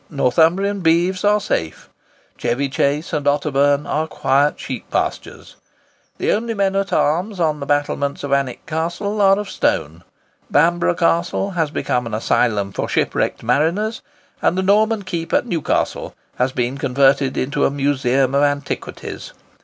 Northumbrian beeves are safe. Chevy Chase and Otterburn are quiet sheep pastures. The only men at arms on the battlements of Alnwick Castle are of stone. Bamborough Castle has become an asylum for shipwrecked mariners, and the Norman Keep at Newcastle has been converted into a Museum of Antiquities.